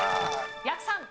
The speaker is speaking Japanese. やくさん。